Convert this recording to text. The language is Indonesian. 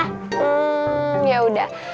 hmm ya udah